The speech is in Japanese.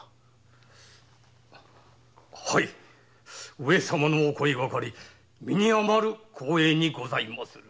上様のお声がかり身に余る光栄にございまする。